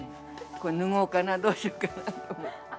これ脱ごうかな、どうしようかなと。